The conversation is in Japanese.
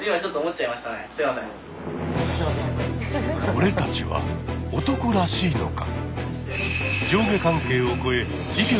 俺たちは男らしいのか？